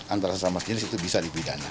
antara sesama jenis itu bisa dipidana